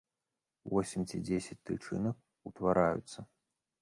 Восем ці дзесяць тычынак утвараюцца.